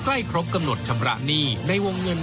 ครบกำหนดชำระหนี้ในวงเงิน